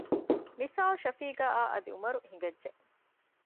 މިސާލު ޝަފީޤާއާއި އަދި ޢުމަރު ހިނގައްޖެ